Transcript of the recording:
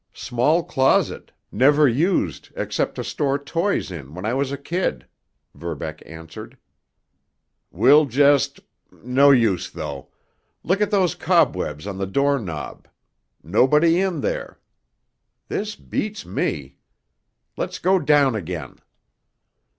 "Small closet—never used except to store toys in when I was a kid," Verbeck answered. "We'll just—— No use, though! Look at those cobwebs on the doorknob! Nobody in there! This beats me! Let's go down again!"